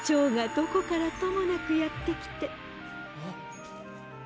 どこからともなくやってきて。